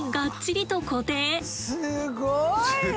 すごいね！